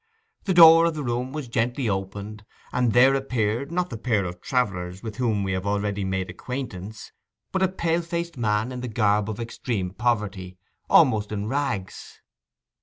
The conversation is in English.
The door of the room was gently opened, and there appeared, not the pair of travellers with whom we have already made acquaintance, but a pale faced man in the garb of extreme poverty—almost in rags.